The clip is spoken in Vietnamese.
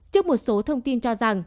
trước một số thông tin cho rằng